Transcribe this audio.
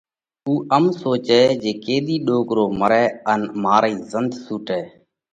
اُو ام سوچتو جي ڪيۮِي ڏوڪرو مرئہ ان مارئِي زنۮ سُوٽئہ۔